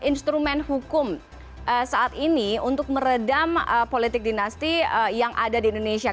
instrumen hukum saat ini untuk meredam politik dinasti yang ada di indonesia